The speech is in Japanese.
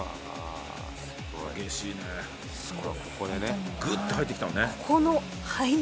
ここでぐっと入ってきたのね。